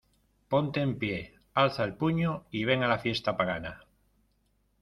Ponte en pie, alza el puño y ven a la fiesta pagana.